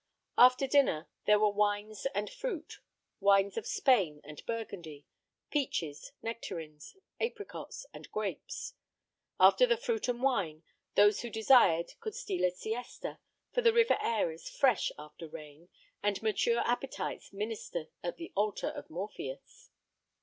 After dinner there were wines and fruit: wines of Spain and Burgundy; peaches, nectarines, apricots, and grapes. After the fruit and wine, those who desired could steal a siesta, for the river air is fresh after rain, and mature appetites minister at the altar of Morpheus.